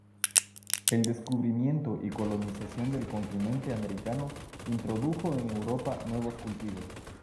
El descubrimiento y colonización del continente americano introdujo en Europa nuevos cultivos.